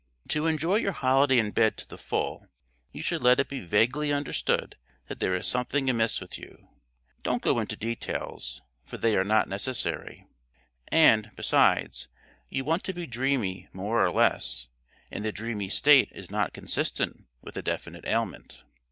To enjoy your holiday in bed to the full, you should let it be vaguely understood that there is something amiss with you. Don't go into details, for they are not necessary; and, besides, you want to be dreamy more or less, and the dreamy state is not consistent with a definite ailment.